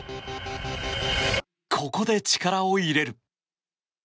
ここで力を入れる。